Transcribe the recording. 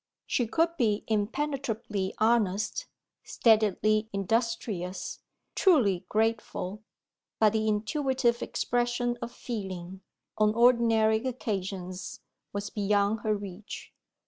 She could be impenetrably honest, steadily industrious, truly grateful but the intuitive expression of feeling, on ordinary occasions, was beyond her reach.